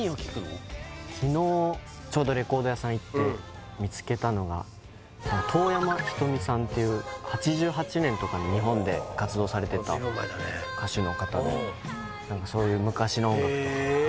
昨日ちょうどレコード屋さん行って見つけたのが当山ひとみさんっていう８８年とかに日本で活動されてた歌手の方で何かそういう昔の音楽とかへえ